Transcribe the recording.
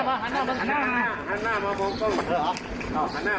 พวกเราทั้งหมดเช็ครถอยู่ตรงนี้หันหน้ามาหันหน้ามา